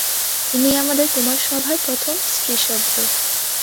ইনিই আমাদের কুমারসভার প্রথম স্ত্রীসভ্য।